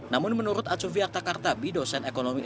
namun menurut atsufiak takartabi dosen ekonomi indonesia